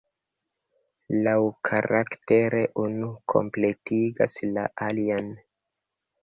Laŭkaraktere unu kompletigas la alian.